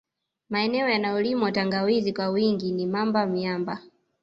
Maeneneo yanayolimwa tangawizi kwa wingi ni Mamba Myamba